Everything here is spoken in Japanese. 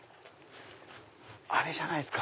あれじゃないっすか？